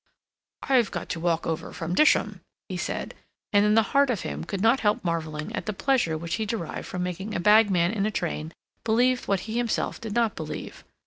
"I've got to walk over from Disham," he said, and in the heart of him could not help marveling at the pleasure which he derived from making a bagman in a train believe what he himself did not believe.